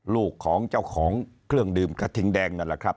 ลูกของเจ้าของเครื่องดื่มกระทิงแดงนั่นแหละครับ